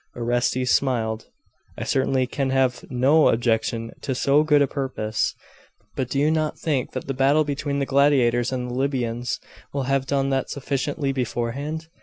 Orestes smiled. 'I certainly can have no objection to so good a purpose. But do you not think that the battle between the gladiators and the Libyans will have done that sufficiently beforehand?